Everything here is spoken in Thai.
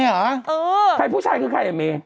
เออใครผู้ชายก็ใครเม่